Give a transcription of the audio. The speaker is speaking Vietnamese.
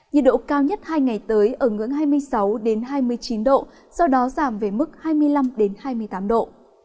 nhiệt độ cao nhất hai ngày tới ở ngưỡng hai mươi sáu hai mươi chín độ sau đó giảm về mức hai mươi năm hai mươi tám độ